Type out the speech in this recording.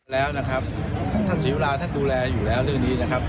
แล้วนะครับท่านศรีวราท่านดูแลอยู่แล้วเรื่องนี้นะครับ